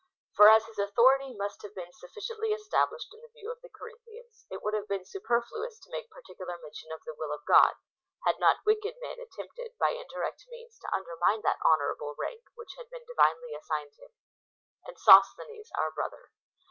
For as his authority must have been sufficiently established in the view of the Corinthians, it would have been superfluous to make particular mention of " the will of God,"' had not wicked men attempted by indirect means to under mine that honourable rank which had been divinely assigned him. And Sosthenes our brother.